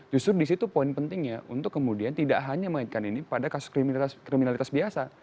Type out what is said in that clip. justru disitu poin pentingnya untuk kemudian tidak hanya mengaitkan ini pada kasus kriminalitas biasa